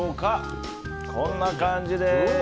こんな感じです。